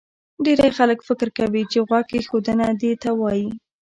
ډېری خلک فکر کوي چې غوږ ایښودنه دې ته وایي